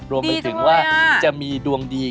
ดีทุกอย่างรวมเป็นถึงว่าจะมีดวงดี